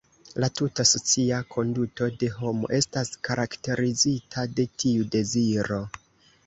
La tuta socia konduto de homo estas karakterizita de tiu deziro.